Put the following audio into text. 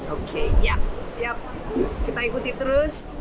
oke siap kita ikuti terus